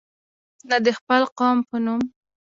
نه د خپل قوم په نوم.